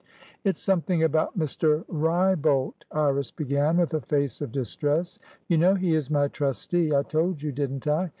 "It's something about Mr. Wrybolt," Iris began, with a face of distress. "You know he is my trusteeI told you, didn't I?